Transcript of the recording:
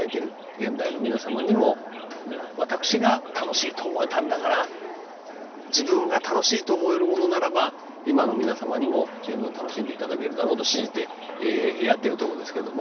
現代の皆様にも私が楽しいと思えたんだから自分が楽しいと思えるものならば今の皆様にも十分楽しんでいただけるだろうと信じてやってるとこですけども。